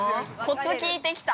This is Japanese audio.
◆コツ聞いてきた。